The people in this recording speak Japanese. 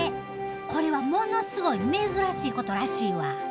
これはものすごい珍しいことらしいわ。